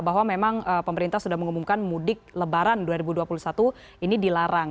bahwa memang pemerintah sudah mengumumkan mudik lebaran dua ribu dua puluh satu ini dilarang